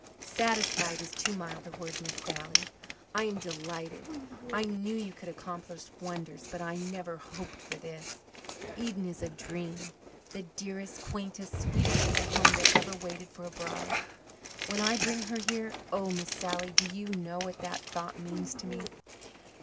"Satisfied is too mild a word, Miss Sally. I am delighted. I knew you could accomplish wonders, but I never hoped for this. Eden is a dream the dearest, quaintest, sweetest little home that ever waited for a bride. When I bring her here oh, Miss Sally, do you know what that thought means to me?"